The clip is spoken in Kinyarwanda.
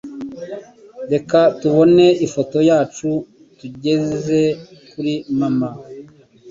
Reka tubone ifoto yacu togehter kuri mama.